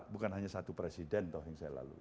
bukan hanya satu presiden toh yang saya lalui